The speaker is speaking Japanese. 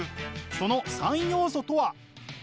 その３要素とは。